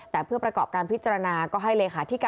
แต่เพื่อประกอบการพิจารณาก็ให้